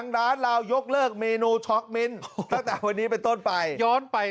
ร้านลาวยกเลิกเมนูช็อกมิ้นตั้งแต่วันนี้เป็นต้นไปย้อนไป